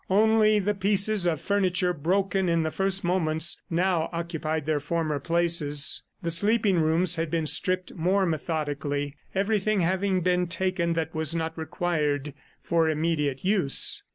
Only the pieces of furniture broken in the first moments now occupied their former places. The sleeping rooms had been stripped more methodically, everything having been taken that was not required for immediate use.